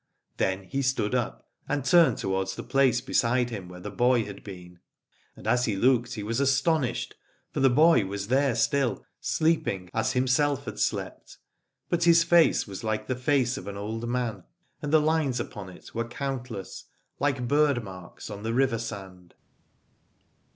Then he stood up, and turned towards the place beside him where the boy had been : and as he looked he was astonished, for the boy was there still, sleeping as him self had slept, but his face was like the face of an old man, and the lines upon it were countless, like bird marks on the river sand.